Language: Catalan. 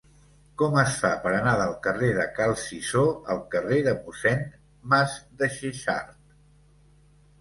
Com es fa per anar del carrer de Cal Cisó al carrer de Mossèn Masdexexart?